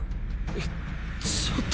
えちょっと。